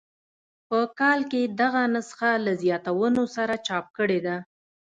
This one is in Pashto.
په کال کې دغه نسخه له زیاتونو سره چاپ کړې ده.